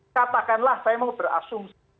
katakanlah saya mau berasumsi